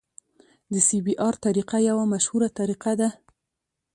د سی بي ار طریقه یوه مشهوره طریقه ده